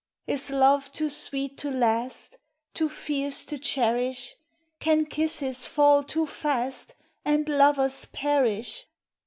Is love too sweet to last, Too fierce to cherish, Can kisses fall too fast And lovers perish